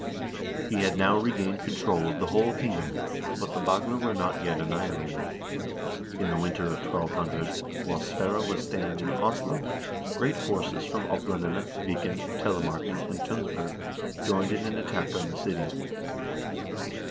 He had now regained control of the whole kingdom, but the Bagler were not yet annihilated. In the winter of 1200, while Sverre was staying in Oslo, great forces from Oplandene, Viken, Tele marken, and Tunsberg joined in an attack on the city.